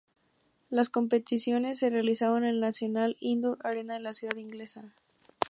Las competiciones se realizaron en el National Indoor Arena de la ciudad inglesa.